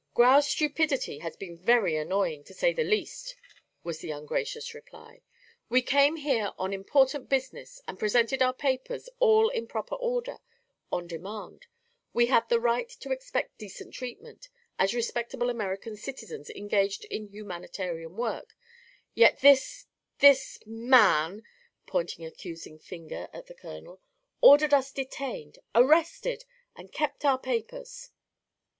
"Grau's stupidity has been very annoying, to say the least," was the ungracious reply. "We came here on important business, and presented our papers all in proper order on demand. We had the right to expect decent treatment, as respectable American citizens engaged in humanitarian work; yet this this man," pointing an accusing finger at the colonel, "ordered us detained arrested! and kept our papers."